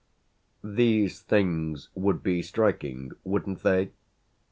These things would be striking, wouldn't they?